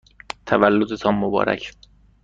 تولدتان مبارک!